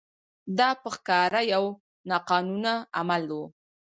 دا په ښکاره یو ناقانونه عمل و.